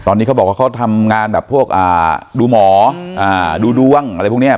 ตอนนี้เขาบอกว่าเขาทำงานแบบพวกดูหมอดูดวงอะไรพวกนี้